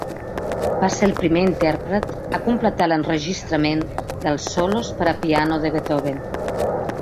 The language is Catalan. Va ser el primer intèrpret a completar l'enregistrament dels solos per a piano de Beethoven.